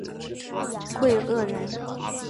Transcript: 桂萼人。